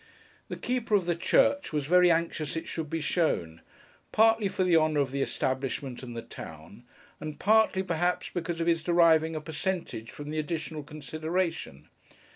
The keeper of the church was very anxious it should be shown; partly for the honour of the establishment and the town; and partly, perhaps, because of his deriving a percentage from the additional consideration.